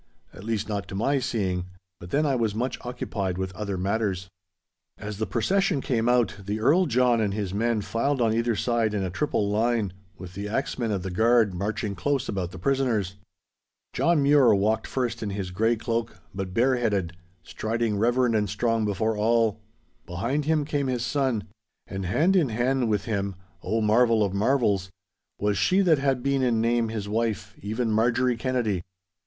At least, not to my seeing, but then I was much occupied with other matters. As the procession came out, the Earl John and his men filed on either side in a triple line, with the axe men of the guard marching close about the prisoners. John Mure walked first in his grey cloak, but bareheaded, striding reverend and strong before all. Behind him came his son. And hand in hand with him (O marvel of marvels!) was she that had been in name his wife, even Marjorie Kennedy.